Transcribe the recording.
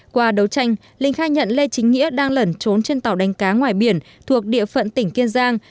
qua đấu tranh linh khai nhận lê chính nghĩa đang lẩn trốn trên tàu đánh cá ngoài biển thuộc địa phận tỉnh kiên giang